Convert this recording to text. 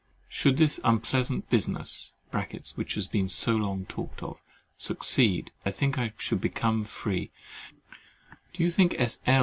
Should this unpleasant business (which has been so long talked of) succeed, and I should become free, do you think S. L.